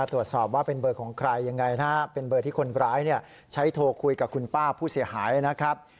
ตรวจสอบว่าเป็นเบอร์ของใครยังไงนะฮะเป็นเบอร์ที่คนร้ายใช้โทรคุยกับคุณป้าผู้เสียหายนะครับ